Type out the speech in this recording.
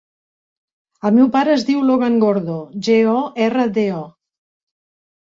El meu pare es diu Logan Gordo: ge, o, erra, de, o.